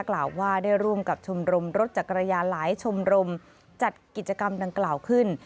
กล่าวว่าได้ร่วมกับชมรมรถจักรยานหลายชมรมจัดกิจกรรมดังกล่าวขึ้น